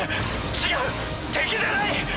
違う敵じゃない！